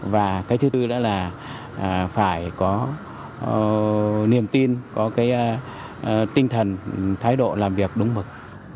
và cái thứ tư đó là phải có niềm tin có cái tinh thần thái độ làm việc đúng mực